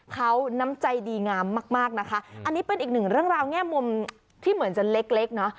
เขาน้ำใจดีงามมากมากนะคะอันนี้เป็นอีกหนึ่งเรื่องราวแง่มุมที่เหมือนจะเล็กเล็กเนอะ